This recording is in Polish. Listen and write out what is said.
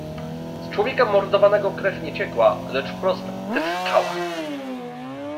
"Z człowieka mordowanego krew nie ciekła, lecz wprost tryskała."